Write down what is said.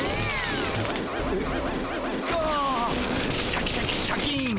シャキシャキシャキン！